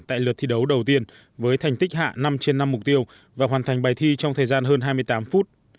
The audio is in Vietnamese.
tại lượt thi đấu đầu tiên với thành tích hạ năm trên năm mục tiêu và hoàn thành bài thi trong thời gian hơn hai mươi tám phút